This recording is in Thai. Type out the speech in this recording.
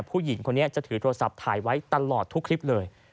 ผู้หญิงคนนี้จะถือโทรศัพท์ถ่ายไว้ตลอดทุกคลิปเลย